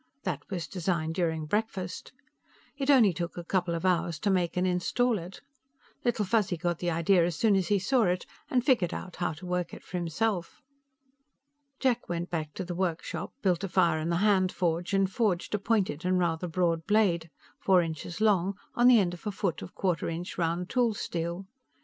That was designed during breakfast. It only took a couple of hours to make and install it; Little Fuzzy got the idea as soon as he saw it, and figured out how to work it for himself. Jack went back to the workshop, built a fire on the hand forge and forged a pointed and rather broad blade, four inches long, on the end of a foot of quarter inch round tool steel.